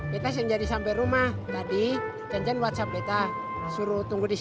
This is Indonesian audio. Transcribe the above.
kita yang jadi sampai rumah tadi cancan whatsapp kita suruh tunggu di sini